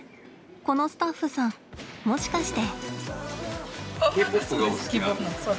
このスタッフさんもしかして。